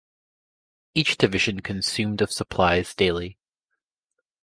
Each division consumed of supplies daily.